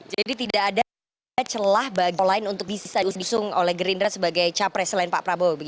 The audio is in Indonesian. jadi tidak ada celah bagi lain untuk bisa diusung oleh gerindra sebagai capres selain pak pak